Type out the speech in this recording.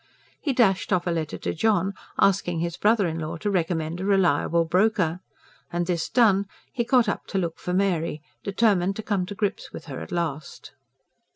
He dashed off a letter to John, asking his brother in law to recommend a reliable broker. And this done, he got up to look for Mary, determined to come to grips with her at last.